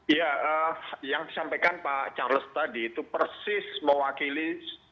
ya yang disampaikan pak charles tadi itu persis mewakili